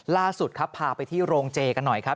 ล่าสุดครับพาไปที่โรงเจกันหน่อยครับ